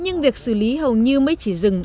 nhưng việc xử lý hầu như mới chỉ dừng